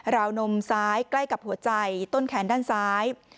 วนมซ้ายใกล้กับหัวใจต้นแขนด้านซ้าย